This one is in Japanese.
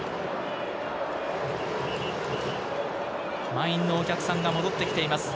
満員のお客さんが戻ってきています。